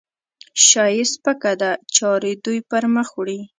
شا یې سپکه ده؛ چارې دوی پرمخ وړي.